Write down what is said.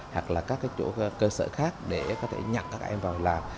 hoặc là các chủ cơ sở khác để có thể nhận các em vào làm